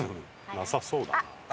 なさそうだなあ。